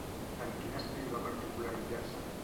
En quin estil va particularitzar-se?